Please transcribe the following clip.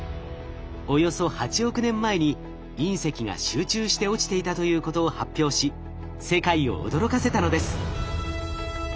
およそ８億年前に隕石が集中して落ちていたということを発表し世界を驚かせたのです。